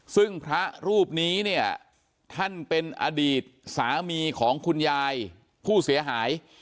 ซึ่งพระรูปนี้เนี่ยท่านเป็นอดีตสามีของคุณยายผู้เสียหาย